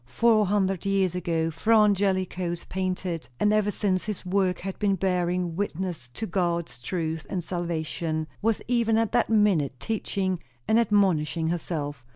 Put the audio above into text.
Four hundred years ago, Fra Angelico painted; and ever since his work had been bearing witness to God's truth and salvation; was even at that minute teaching and admonishing herself.